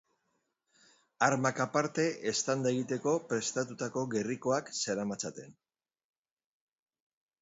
Armak aparte eztanda egiteko prestatutako gerrikoak zeramatzaten.